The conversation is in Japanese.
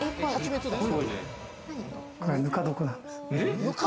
ぬか床なんです。